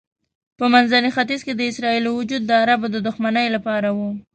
په منځني ختیځ کې د اسرائیلو وجود د عربو د دښمنۍ لپاره و.